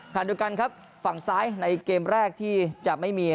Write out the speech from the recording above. ดูกันครับฝั่งซ้ายในเกมแรกที่จะไม่มี